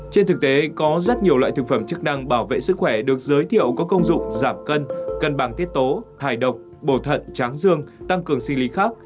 trên thực tế có rất nhiều loại thực phẩm chức năng bảo vệ sức khỏe được giới thiệu có công dụng giảm cân cân bằng tiết tố hài độc bổ thận tráng dương tăng cường sinh lý khác